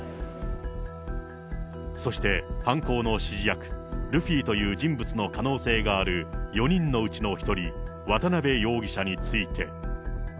そして、犯行の指示役、ルフィという人物の可能性がある４人のうちの１人、渡辺容疑者について。